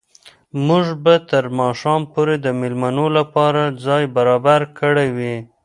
موږ به تر ماښامه پورې د مېلمنو لپاره ځای برابر کړی وي.